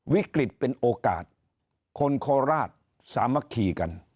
วิกฤตเป็นโอกาสคนโคราชสามัคคีกัน